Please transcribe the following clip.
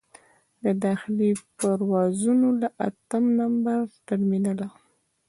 د داخلي پروازونو له اتم نمبر ټرمینله.